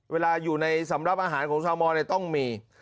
เวลาอยู่ในสำหรับอาหารของชาวมอนต้องมี